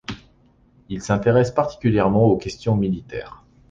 Il s'intéresse particulièrement aux questions militaires.